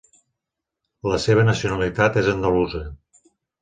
La seva nacionalitat és andalusa.